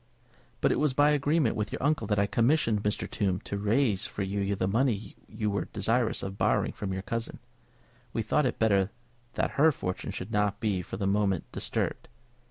"But it was by agreement with your uncle that I commissioned Mr. Tombe to raise for you the money you were desirous of borrowing from your cousin. We thought it better that her fortune should not be for the moment disturbed."